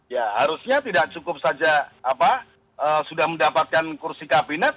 ya harusnya tidak cukup saja sudah mendapatkan kursi kabinet